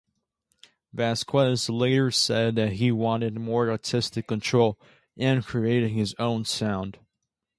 Vazquez later said that he wanted more artistic control and creating his own sound.